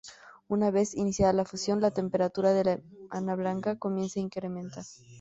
Una vez iniciada la fusión, la temperatura de la enana blanca comienza a incrementar.